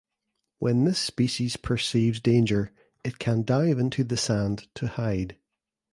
When this species perceives danger it can dive into the sand to hide.